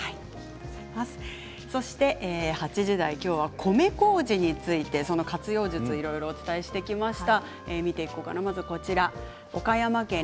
そして８時台は米こうじについて活用術をいろいろお伝えしてきました。